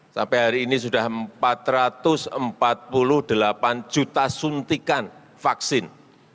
sampai hari ini sudah empat ratus empat puluh delapan juta suntikan vaksin